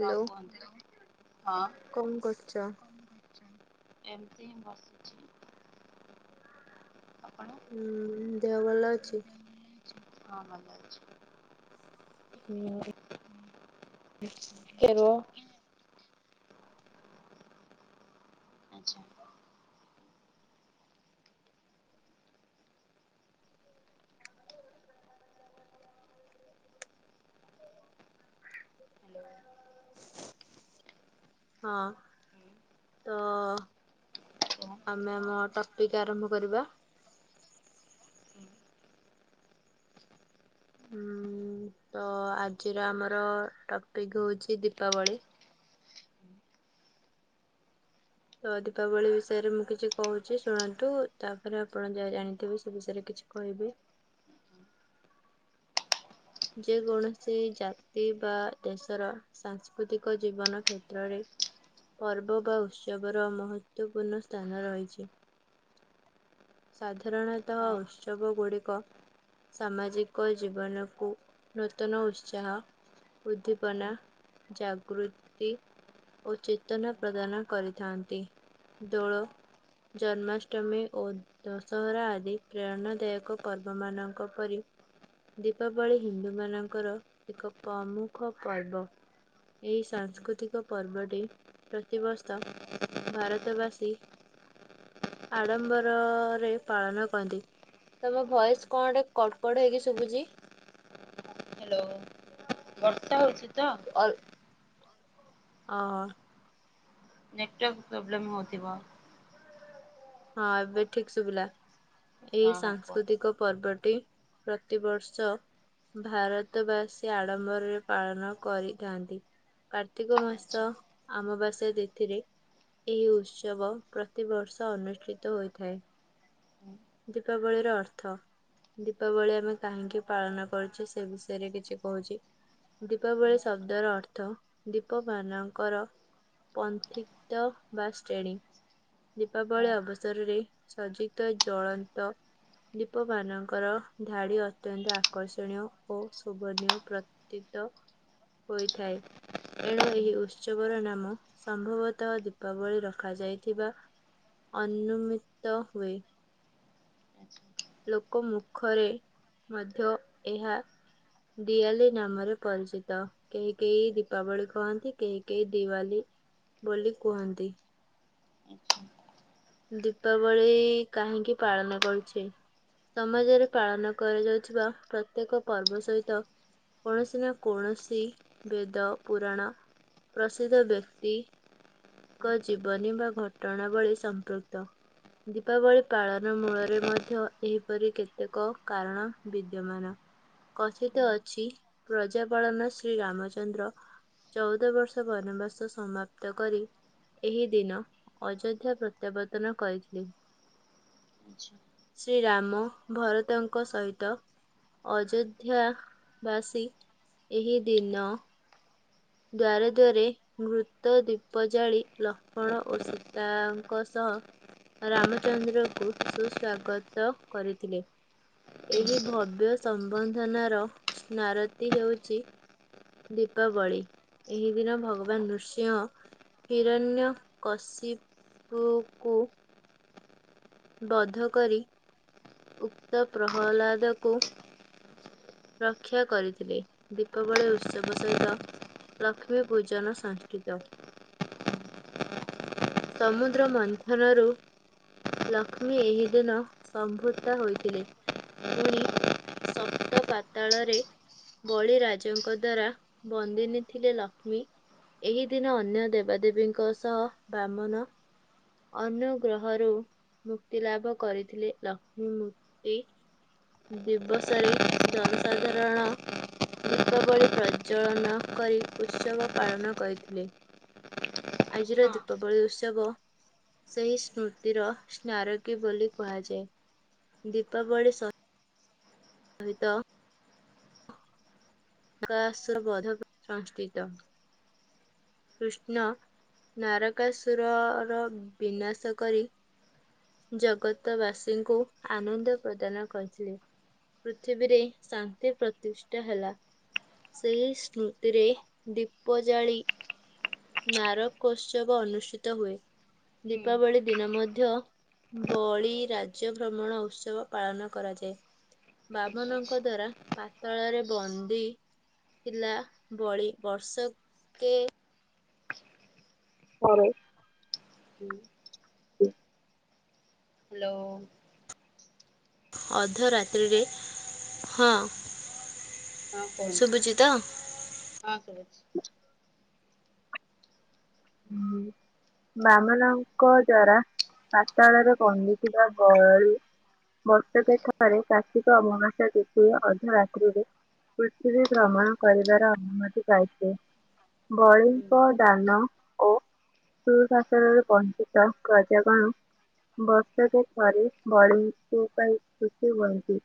ହଁ କୁହନ୍ତ କଣ କରୁଛ? ହଁ। ଏମିତି ହିଁ ବସିଛି। ଆପଣ? ହୁଁ ଦେହ ଭଲ ଅଛି? ହଁ ଭଲ ଅଛି। ଟିକେ ରୁହ। ଆଚ୍ଛା। ହ୍ୟାଲୋ [inaudible] ହଁ, ହୁଁ ତ କୁହ। ଆମେ ଆମ ଟପିକି ଆରମ୍ଭ କରିବା? ହୁଁ ହୁଁ ତ ଆଜିର ଆମର ଟପିକି ହଉଛି ଦୀପାବଳି। ହୁଁ ତ ଦୀପାବଳି ବିଷୟରେ ମୁଁ କିଛି କହୁଛି ଶୁଣନ୍ତୁ ତାପରେ ଆପଣ ଯାହା ଜାଣିଥିବେ ସେ ବିଷୟରେ କିଛି କହିବେ। ହୁଁ ଯେ କୌଣସି ଜାତି ବା ଦେଶର ସାଂସ୍କୃତିକ ଜୀବନ କ୍ଷେତ୍ରରେ ପର୍ବ ବା ଉତ୍ସବର ମହତ୍ଵପୂର୍ଣ୍ଣ ସ୍ଥାନ ରହିଛି। [inaudible] ସାଧାରଣତଃ ହଁ ଉତ୍ସବ ଗୁଡ଼ିକ ସାମାଜିକ ଜୀବନ କୁ ନୂତନ ଉତ୍ସାହ, ହଁ ହଁ। ଉଦ୍ଦୀପନା, ଜାଗୃତି ଓ ଚେତନା ପ୍ରଦାନ କରିଥାନ୍ତି। ଦୋଳ ଜନ୍ମାଷ୍ଟମୀ ଓ ଦଶହରା ଆଦି ପ୍ରେରଣା ଦାୟକ ପର୍ବ ମାନଙ୍କ ପରି ଦୀପାବଳି ହିନ୍ଦୁ ମାନଙ୍କର ଏକ ପ୍ରମୁଖ ପର୍ବ। ଏଇ ସାଂସ୍କୃତିକ ପର୍ବଟି ପ୍ରତିବର୍ଷ ଭାରତବାସୀ ଆଡମ୍ବର ରେ ପାଳନ [unintelligible] ତମ ଭୟସ୍ କଣ ଟେ କଡ୍-କଡ୍ ହେଇକି ସୁବୁଚି। ହାଲୋ ବର୍ଷା ହଉଚି ତ। [inaudible] ହଁ। ନେଟୱାର୍କ୍ ପ୍ରୋବ୍ଲେମ୍ ହଉଥିବ। ହଁ ଏବେ ଠିକ୍ ଶୁଭିଲା। ହଁ ଏଇ ହଁ କୁହ ସାଂସ୍କୃତିକ ପର୍ବଟି ପ୍ରତିବର୍ଷ ଭାରତ ବାସୀ ଆଡମ୍ବରରେ ପାଳନ କରିଥାନ୍ତି। କାର୍ତ୍ତିକ୍ ମାସ ଆଚ୍ଛା। ଅମାବାସ୍ୟା ତିଥିରେ ଏହି ଉତ୍ସବ୍ ପ୍ରତିବର୍ଷ ଅନୁଷ୍ଠିତ ହୋଇଥାଏ। ହୁଁ ଦୀପାବଳିର ଅର୍ଥ। ଦୀପାବଳି ଆମେ କାହିଁକି ପାଳନ କରୁଛେ ସେ ବିଷୟରେ କିଛି କହୁଚି। ହୁଁ ଦୀପାବଳି ଶବ୍ଦର ଅର୍ଥ ଦୀପ ମାନଙ୍କର ପନ୍ଥିକ୍ତ ବା ଶ୍ରେଣୀ। ହଁ ଦୀପାବଳି ଅବସରରେ ସଜିତ ଜଳନ୍ତ ଦୀପ ମାନଙ୍କର ଧାଡି ଅତ୍ୟନ୍ତ ଆକର୍ଷଣୀୟ ଓ ଶୁଭନୀୟ ପ୍ର ତିତ ହୋଇଥାଏ। ଏଣୁ ହୁଁ ଏହି ଉତ୍ସବର ନାମ ସମ୍ଭବତଃ ଦୀପାବଳି ରଖାଯାଇଥିବା ଅନୁମିତ ହୁଏ। [unintelligible] ଲୋକ ମୁଖରେ ମଧ୍ୟ ଏହା ଦିଆଲି ନାମରେ ପରିଚିତ। କେହି କେହି ଦୀପାବଳି କୁହନ୍ତି କେହି କେହି ଦିୱାଲି ବୋଲି କୁହନ୍ତି। ହୁଁ। [inaudible] ଦୀପାବଳି କାହିଁକି ପାଳନ କରୁଛେ? ସମାଜରେ ପାଳନ କରାଯାଉଥିବା ପ୍ରତ୍ୟେକ ପର୍ବ ସହିତ କୌଣସି ନା କୌଣସି ବେଦ ପୁରାଣ ପ୍ରସିଦ୍ଧ ବ୍ୟକ୍ତି ଙ୍କ ଜୀବନୀ ବା ଘଟଣା ବଳିୀ ସଂ କୃତ। ଦୀପାବଳି ପାଳନ ମୂଳରେ ମଧ୍ୟ ଏହିପରି କେତେକ କାରଣ ବିଦ୍ୟମାନ। କଥିତ୍ ଅଛି ପ୍ରଜାପାଳନ ଶ୍ରୀ ରାମଚନ୍ଦ୍ର ଚଉଦ ବର୍ଷ ବନବାସ ସମାପ୍ତ କରି ଏହି ଦିନ ଅଯୋଧ୍ୟ୍ୟ ପ୍ର ପ୍ରତ୍ୟାବର୍ତ୍ତନ କରିଥିଲେ। ଆଚ୍ଛା। [inaudible] ଶ୍ରୀ ରାମ ଭରତଙ୍କ ସହିତ ଅଯୋଧ୍ୟା ବାସୀ ଏହି ଦିନ ଦ୍ୱାରେ ଦ୍ୱାରେ ମୃତ ଦ୍ୱୀପ ଜାଳି ଲକ୍ଷ୍ମଣ ଓ ସୀତାଙ୍କ ସହ ରାମଚନ୍ଦ୍ରଙ୍କୁ ସୁ ସ୍ୱାଗତ କରିଥିଲେ ଏହି ଭବ୍ୟ ସମ୍ବନ୍ଧନାର ସ୍ନାରତି ହେଉଛି ଦୀପାବଳି। ଏହି ଦିନ ଭଗବାନ ନୃସିଂହ ହିରଣ୍ୟ କଶି ପୁ କୁ ବଧ କରି ଉକ୍ତ ପ୍ରହ୍ଲାଦ କୁ ରକ୍ଷା କରିଥିଲେ ଦୀପାବଳି ଉତ୍ସବ ସହିତ ଲକ୍ଷ୍ମୀ ପୂଜନ ସଂସ୍କୃତ। [inaudible] ସମୁଦ୍ର ମନ୍ଥନରୁ ଲକ୍ଷ୍ମୀ ଏହି ଦିନ ସମ୍ଭୁକ୍ତ ହୋଇଥିଲେ ପୁଣି ସପ୍ତ ପାତାଳରେ ବଳି ରାଜଜଙ୍କ ଦ୍ଵାରା ବନ୍ଦିନୀ ଥିଲେ ଲକ୍ଷ୍ମୀ ଏହି ଦିନ ଅନ୍ୟ ଦେବାଦେବୀଙ୍କ ସହ ବାମନ ଅନ୍ୟ ଗ୍ରହରୁ ମୁକ୍ତି ଲାଭ କରିଥିଲେ ଲକ୍ଷ୍ମୀ ମୂର୍ତି। ଦିବସରେ ଜନସାଧାରଣ ଦୀପାବଳି ପ୍ରଜଳନ କରି ଉତ୍ସବ ପାଳନ କରିଥିଲେ। ଆଜିର ହଁ ଦୀପାବଳି ଉତ୍ସବ ସେହି ସ୍ମୃତିର ସ୍ନାରକୀ ବୋଲି କୁହାଯାଏ ଦୀପାବଳି ସଂ ଦୁହିତ [unintelligible] କୃଷ୍ଣ ନାରକାଅସୁର ର ବିନାଶ କରି ଜଗତବାସୀଙ୍କୁ ଆନନ୍ଦ ପ୍ରଦାନ କରିଥିଲେ। ପୃଥିବୀରେ ଶାନ୍ତି ପ୍ରତିଷ୍ଠା ହେଲା। ସେଇ ସ୍ମୃତିରେ ଦୀପ ଜାଳି ନାରକୋତ୍ସବ ଅନୁଷ୍ଠିତ ହୁଏ। ହୁଁ ହୁଁ ଦୀପାବଳି ଦିନ ମଧ୍ୟ ବଳି ରାଜ୍ୟ ଭ୍ରମଣ ଉତ୍ସବ ପାଳନ କରାଯାଏ। ବାମନଙ୍କ ଦ୍ୱାରା ପାତଳରେ ବନ୍ଦି ଥିଲା ବଳି। ବର୍ଷକେ ପରେ [inaudible] [inaudible] ହ୍ୟାଲୋ। ଅଧ ରାତ୍ରିରେ, ହଁ ହଁ କୁହନ୍ତୁ ଶୁଭୁଚ ତ? ହଁ ଶୁବୁଚି। [inaudible] ବାମନଙ୍କ ଦ୍ଵାରା ପାତାଳରେ କନ୍ଦିଥିବା ବଳି ବର୍ଷକେ ଥରେ କାର୍ତ୍ତିକ ଅମାବାସ୍ୟା ତିଥି ରେ ଅର୍ଦ୍ଧରାତ୍ରିରେ ପୃଥିବୀ ଭ୍ରମଣ କରିବାର ଅନୁମତି ପାଇଥିଲେ। ହୁଁ ବଳିଙ୍କ ଦାନ ଓ ସୁଶାସନ ରୁ ବଞ୍ଚିତ ପ୍ରଜାଗଣ ବର୍ଷକେ ଥରେ ବଳି ଙ୍କୁ ପାଇଁ ଖୁସି ହୁଅନ୍ତି।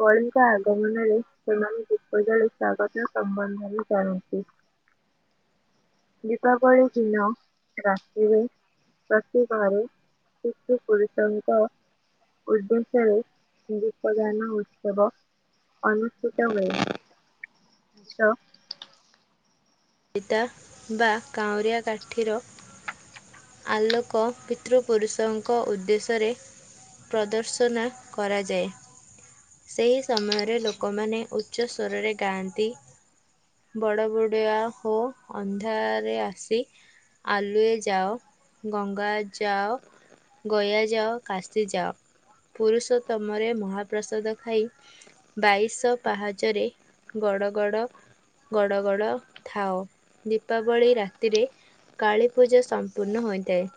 ବଳିଙ୍କ ହୁଁ ଆଗମନରେ ସେମାନେ ଦୀପଜାଳି ସ୍ଵାଗତ ସମ୍ବନ୍ଧ ବି କରନ୍ତି। [inaudible] ଦୀପାବଳି ଆଚ୍ଛା ଦିନ ରାତିରେ ପ୍ରତିିଘରେ ପିତୃ ପୁରୁଷଙ୍କ ଉଦ୍ଦେଶ୍ୟରେ ଦୀପ ଦାନ ଉତ୍ସବ ଅନୁଷ୍ଠିତ ହୁଏ। [inaudible] ଚିତା ବା କାଉଁରିଆ କାଠିର ଆଲୋକ ପିତୃପୁରୁଷଙ୍କ ଉଦ୍ଦେଶ୍ୟରେ ପ୍ରଦର୍ଶନା କରାଯାଏ। ସେହି ଆଚ୍ଛା ସମୟରେ ଲୋକମାନେ ଉ ଉଚ୍ଚ ସ୍ୱରରେ ଗାଆନ୍ତି, ବଡ଼ ବଡୁଆ ହୋ ଅନ୍ଧାରେ ଆସି ଆଲୁଏ ଯାଓ। ଗଙ୍ଗା ଯାଅ ଗୟା ଯାଅ କାଶିି ଯାଅ, ପୁରୁଷତମରେ ମହାପ୍ରସାଦ ଖାଇ ବାଇଶ ପାହାଚ ରେ ଗଡ଼ ଗଡ଼ ଗଡ଼ ଗଡ଼ ଥାଅ। ଦୀପାବଳି ରାତିରେ କାଳୀ ପୂଜା ସମ୍ପୂର୍ଣ୍ଣ ହୋଇଥାଏ।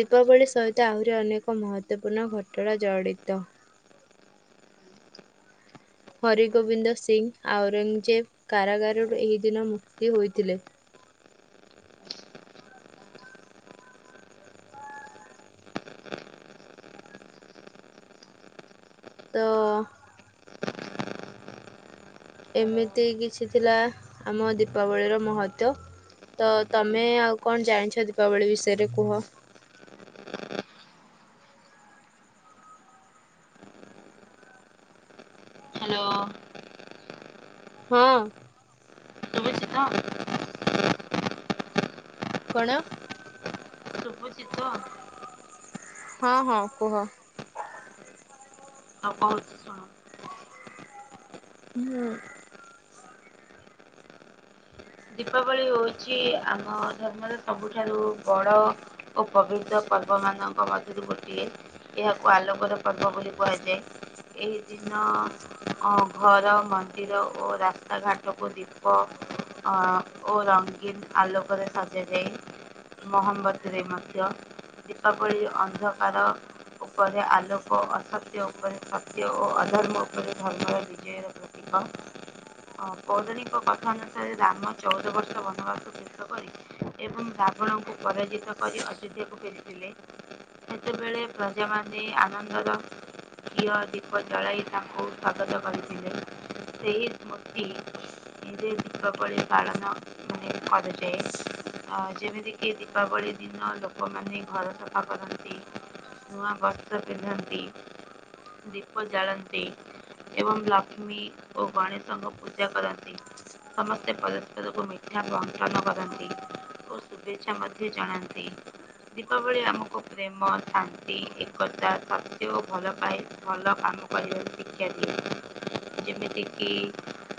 ଦୀପାବଳି ସହିତ ଆହୁରି ଅନେକ ମହତପୂର୍ଣ୍ଣ ଘଟଣା ଜଡିତ। ହରିଗୋବିନ୍ଦ ସିଂ, ଔରଙ୍ଗଜେବ କାରାଗାରରୁ ଏହି ଦିନ ମୁକ୍ତି ହୋଇଥିଲେ। ତ ହ୍ୟାଲୋ ଏମିତି କିଛି ଥିଲା ଆମ ଦୀପାବଳିର ମହତ୍ଵ। ତ ତମେ ଆଉ କଣ ଜାଣିଛ ଦୀପାବଳି ବିଷୟରେ କୁହ? ହ୍ୟାଲୋ। ହଁ। ହ୍ୟାଲୋ। କଣ? ସୁବୁଛିିତ? ହଁ ହଁ କୁହ। ହଉ ବହୁତ ଶୁଣ। ହୁଁ। ଦୀପାବଳି ହେଉଛି ଆମ ଧର୍ମର ସବୁଠାରୁ ବଡ଼ ଓ ପବିତ୍ର ପର୍ବ ମାନଙ୍କ ମଧ୍ୟରୁ ଗୋଟିଏ ଏହାକୁ ଆଲୋକର ପର୍ବ ବୋଲି କୁହାଯାଏ ଏହି ଦିନ ଘର ମନ୍ଦିର ଓ ରାସ୍ତାଘାଟକୁ ଦୀପ ଅ ଓ ରଙ୍ଗୀନ ଆଲୋକରେ ସଜାଯାଇ ମହମ୍ବତୀରେ ମଧ୍ୟ ଦୀପାବଳି ଅନ୍ଧକାର ଉପରେ ଆଲୋକ ଅସତ୍ୟ ଉପରେ ସତ୍ୟ ଓ ଅଧର୍ମ ଉପରେ ଧର୍ମର ବିଜୟ ରଖୁ। କଦଣି କଠାନ ରାମ ଚଉଦ ବର୍ଷ ବନବାସ ଶଷ କରି ଏବଂ ରାବଣଙ୍କୁ ପରାଜିତ କରି ଅଯୋଧ୍ୟାକୁ ଫେରିଥିଲେ। ସେତେବେଳେ ପ୍ରଜାମାନେ ଆନନ୍ଦର ଘିଅ, ଦୀପ ଜଳାଇ ତାଙ୍କୁ ସ୍ୱାଗତ କରିଥିଲେ ସେହି ସ୍ମୃତି ଏ ଦଖପଳି କଳନ ମନେ କଦଜାଇ ଯେମିତିକି ଦୀପାବଳି ଦିନ ଲୋକମାନେ ଘର ସଫା କରନ୍ତି। ନୂଆ ବସ୍ତ୍ର ପିନ୍ଧନ୍ତି ଦୀପ ଜାଳନ୍ତି। ଏବଂ ଲକ୍ଷ୍ମୀ ଓ ଗଣେଷ ଙ୍କୁ ପୂଜା କରନ୍ତି। ସମସ୍ତେ ପସ୍ପରକୁ ମିଥ୍ୟା ବଣ୍ଟନ କରନ୍ତି। ଓ ଶୁଭେଚ୍ଛା ମଧ୍ୟ ଜଣନ୍ତି। ଦୀପାବଳି ଆମକୁ ପ୍ରେମ, ଶାନ୍ତି, ଏକତା, ସତ୍ୟ ଓ ଭଲ ପାଏ ଭଲ କାମ ସିଖ୍ୟ ଦିଏ ଯେମିତିକି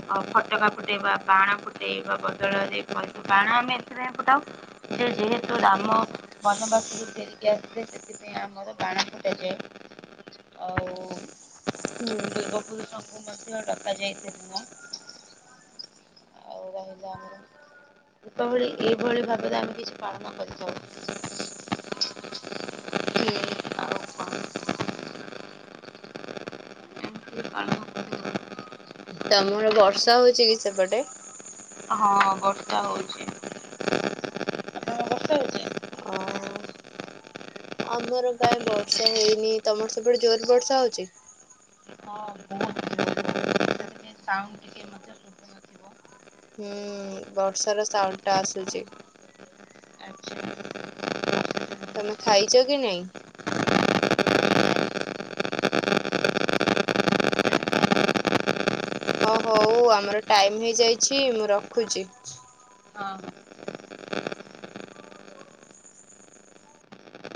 ଫଟୋଗ୍ରାଫ ଫୁଟେଇ ବାଣ ଫୁଟେଇ ବା ବଦଳରେ ବାଣ ଆମେ ଏଥିପାଇଁ ଫୁଟାଉ ଯେହେତୁ ରାମ ବନବାସରୁ ଫେରିକି ଆସିଲେ ସେଥିଇଁ ସେ ଆମର ବାଣ ଫୁଟାଯାଏ ଆଉ ହୁଁ ର୍ପୂର୍ବପୁରୁଷଙ୍କୁ ମଧ୍ୟ ଡକା ଯାଇଥା ସେଇଦିନ। ଆଉ ରହିଲା ଆମର ଦୀପାବଳି ଏଇଭଳି ଭାବରେ ଆମେ କିଛି ପାଳନ କରିଥାଉ। ହୁଁ। ଆଉ କଣ [unintelligible] ତମର ବର୍ଷା ହଉଚି କି ସେପଟେ? ହଁ ବର୍ଷା ହଉଛି। ଆପଣଙ୍କ ବର୍ଷା ହଉଛି। ଅ ଆମର କାଇଁ ବର୍ଷା ହେଇନି। ତମର ସେପଟେ ଜୋର ବର୍ଷା ହଉଛି? ବ ଟିକେ ହୁଁ ବର୍ଷାର ସାଉଣ୍ଡଟା ଆସୁଛି। ଆଛା। ତମେ ଖାଇଛ କି ନାଇଁ? ହଁ ହଉ ଆମର ଟାଇମ ହେଇଯାଇଛି ମୁଁ ରଖୁଛି। ହଁ।